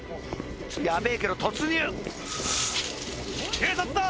やべえけど突入！